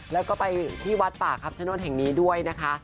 แล้วก็ไปที่วัดป่าคำชโนธแห่งนี้ด้วยนะคะ